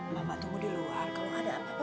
mama tunggu di luar kalau ada apa apa